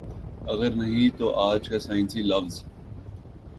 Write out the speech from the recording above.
اگر نہیں تو آج کا سائنسی لفظ